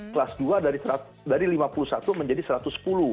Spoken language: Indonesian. kelas dua dari lima puluh satu menjadi satu ratus sepuluh